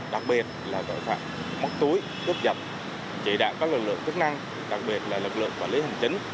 đặc biệt là tội phạm móc túi cướp giật chỉ đạo các lực lượng chức năng đặc biệt là lực lượng quản lý hành chính